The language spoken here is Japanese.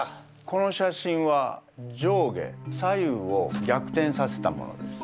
この写真は上下左右を逆転させたものです。